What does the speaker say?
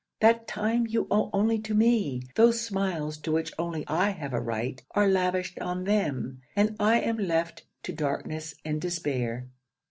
that time you owe only to me; those smiles to which only I have a right, are lavished on them; and I am left to darkness and despair.